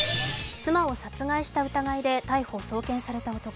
妻を殺害した疑いて逮捕・送検された男。